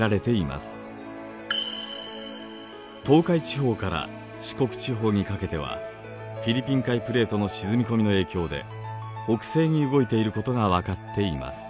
東海地方から四国地方にかけてはフィリピン海プレートの沈み込みの影響で北西に動いていることが分かっています。